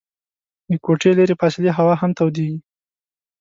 د کوټې لیري فاصلې هوا هم تودیږي.